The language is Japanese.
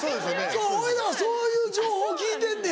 おいらはそういう情報を聞いてんねん。